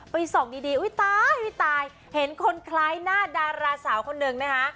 ส่องดีอุ้ยตายตายเห็นคนคล้ายหน้าดาราสาวคนหนึ่งนะคะ